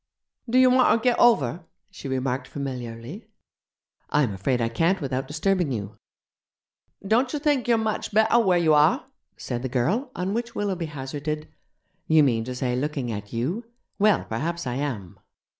'Do you wanter get over?' she remarked familiarly. 'I'm afraid I can't without disturbing you.' 'Dontcher think you're much better where you are?' said the girl, on which Willoughby hazarded: 'You mean to say looking at you? Well, perhaps I am!'